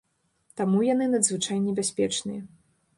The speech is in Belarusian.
Таму яны надзвычай небяспечныя.